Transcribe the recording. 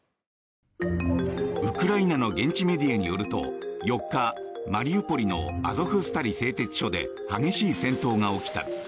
ウクライナの現地メディアによると４日、マリウポリのアゾフスタリ製鉄所で激しい戦闘が起きた。